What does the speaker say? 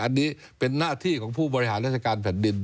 อันนี้เป็นหน้าที่ของผู้บริหารราชการแผ่นดิน